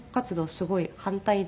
すごい反対で。